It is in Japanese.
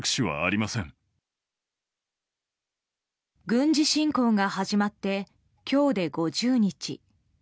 軍事侵攻が始まって今日で５０日。